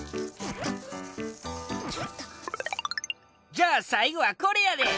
じゃあさいごはこれやで！